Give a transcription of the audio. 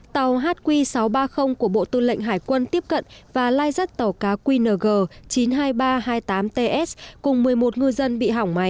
tàu hq sáu trăm ba mươi của bộ tư lệnh hải quân tiếp cận và lai rắt tàu cá qng chín mươi hai nghìn ba trăm hai mươi tám ts cùng một mươi một ngư dân bị hỏng máy